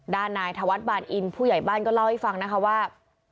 ด้านนายธวัฒน์บานอินผู้ใหญ่บ้านก็เล่าให้ฟังนะคะว่า